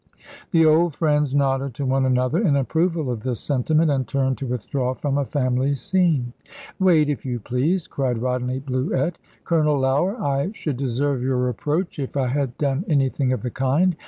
The old friends nodded to one another, in approval of this sentiment; and turned to withdraw from a family scene. "Wait, if you please," cried Rodney Bluett. "Colonel Lougher, I should deserve your reproach, if I had done anything of the kind.